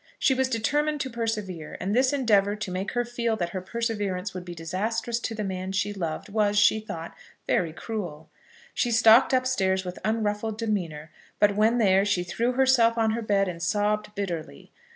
She was determined to persevere; and this endeavour to make her feel that her perseverance would be disastrous to the man she loved was, she thought, very cruel. She stalked upstairs with unruffled demeanour; but when there, she threw herself on her bed and sobbed bitterly.